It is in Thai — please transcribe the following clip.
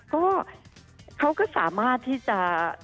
ก็เขาก็สามารถที่จะ